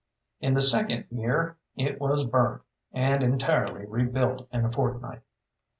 In the second year it was burnt, and entirely rebuilt in a fortnight.